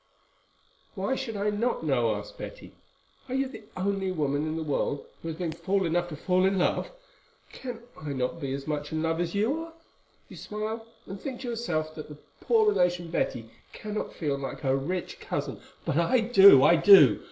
"Why should I not know?" asked Betty. "Are you the only woman in the world who has been fool enough to fall in love? Can I not be as much in love as you are? You smile, and think to yourself that the poor relation, Betty, cannot feel like her rich cousin. But I do—I do.